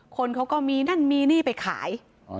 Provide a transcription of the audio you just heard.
คนเขาก็มีนั่นมีนี่ไปขาย